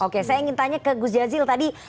oke saya ingin tanya ke gus jazil tadi